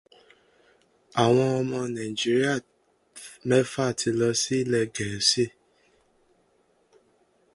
Àwon ọmọ Nàíjíríà meẹ́fà ti lọ sí ilè Gẹ̀ẹ́sì.